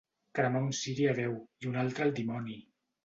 Cremar un ciri a Déu i un altre al dimoni.